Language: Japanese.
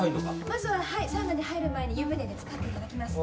まずはサウナに入る前に湯船に漬かっていただきます。